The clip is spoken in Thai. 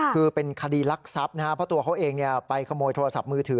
คือเป็นคดีรักทรัพย์นะครับเพราะตัวเขาเองไปขโมยโทรศัพท์มือถือ